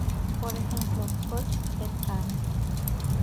Por ejemplo, Koch et al.